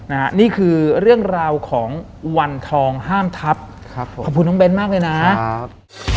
นี่คือเรื่องราวของวันทองห้ามทัพครับผมขอบคุณน้องเบ้นมากเลยนะครับ